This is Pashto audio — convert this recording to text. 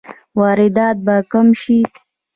واردات به کم شي؟